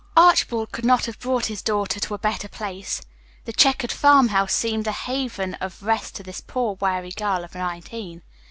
Archibald could not have brought his daughter to a better place. The checkered farm house seemed a haven of rest to this poor, weary girl of nineteen.